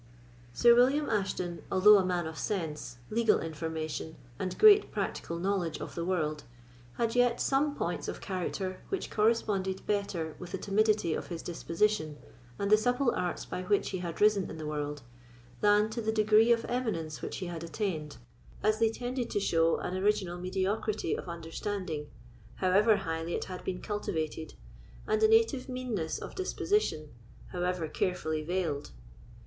Sir William Ashton, although a man of sense, legal information, and great practical knowledge of the world, had yet some points of character which corresponded better with the timidity of his disposition and the supple arts by which he had risen in the world, than to the degree of eminence which he had attained; as they tended to show an original mediocrity of understanding, however highly it had been cultivated, and a native meanness of disposition, however carefully veiled.